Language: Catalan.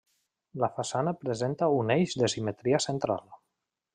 La façana presenta un eix de simetria central.